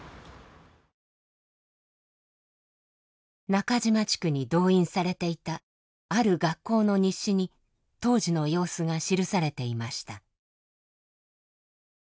中島地区に動員されていたある学校の日誌に当時の様子が記されていました。